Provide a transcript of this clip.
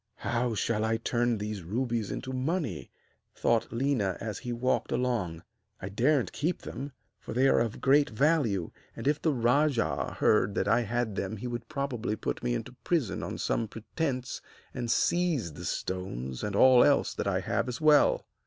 'How shall I turn these rubies into money?' thought Léna, as he walked along; 'I daren't keep them, for they are of great value, and if the rajah heard that I had them he would probably put me into prison on some pretence and seize the stones and all else that I have as well.